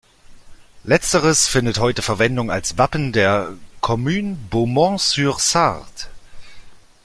Letzteres findet heute Verwendung als Wappen der Commune Beaumont-sur-Sarthe.